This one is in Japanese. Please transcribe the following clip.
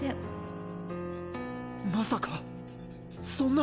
まさかそんな。